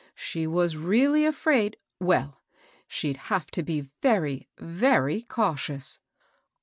She was really afraid, — well, she'd have to be very, very cautious.